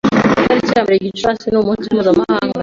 Itariki ya mbere Gicurasi ni umunsi mpuzamahanga